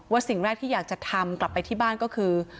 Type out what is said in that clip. สิ่งแรกที่อยากจะทำกลับไปที่บ้านก็คือ